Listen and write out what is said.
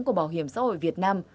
của bảo hiểm xã hội việt nam